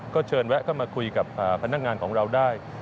ก็เชิญแวะเข้ามาคุยกับพนักงานของเราได้